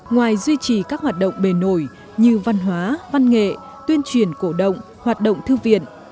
ngoài duy trì các hoạt động bề nổi như văn hóa văn nghệ tuyên truyền cổ động hoạt động thư viện